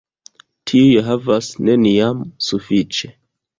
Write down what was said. Tiuj havas neniam sufiĉe.